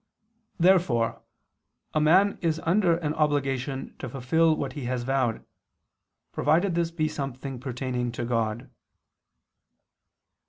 Therefore a man is under an obligation to fulfil what he has vowed, provided this be something pertaining to God.